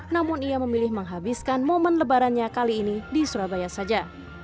namun ia memilih menghabiskan momen lebarannya kali ini di surabaya saja